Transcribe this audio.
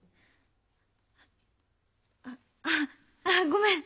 あごめん。